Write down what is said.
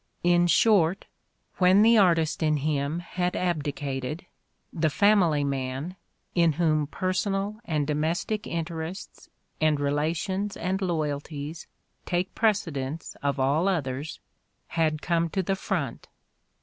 In short, when the' artist in him had abdicated, the family man, in whom personal and domestic interests and relations and loyalties take pre tcedenee of all others, had come to the front.